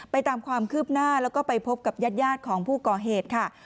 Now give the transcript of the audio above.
ตามความคืบหน้าแล้วก็ไปพบกับญาติของผู้ก่อเหตุค่ะ